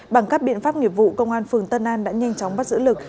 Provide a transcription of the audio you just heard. bằng các biện pháp nghiệp vụ công an phường tân an đã nhanh chóng bắt giữ lực